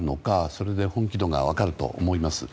それで本気度が分かると思います。